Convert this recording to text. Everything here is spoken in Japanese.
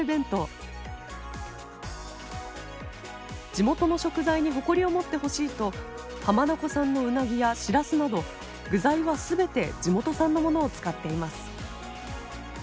地元の食材に誇りを持ってほしいと浜名湖産のウナギやシラスなど具材は全て地元産のものを使っています。